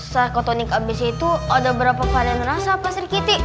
sakatonik abc itu ada berapa varian rasa pak sirikiti